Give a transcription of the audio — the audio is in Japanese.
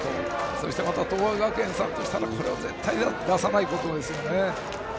そして、東亜学園さんとしてはこれを絶対出さないことですね。